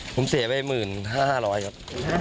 ผมเสียไป๑๕๐๐ครับ